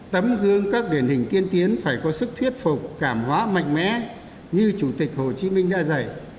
tấm gương các điển hình tiên tiến phải có sức thuyết phục cảm hóa mạnh mẽ như chủ tịch hồ chí minh đã dạy